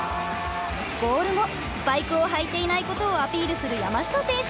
ゴール後スパイクを履いていないことをアピールする山下選手。